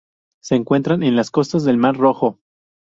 Se encuentran en las costas del Mar Rojo.